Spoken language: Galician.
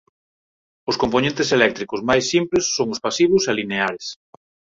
Os compoñentes eléctricos máis simples son os pasivos e lineares.